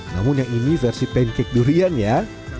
namun yang ini versi pancake durian ya